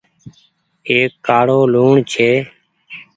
ايڪ ڪآڙو لوڻ ڇي۔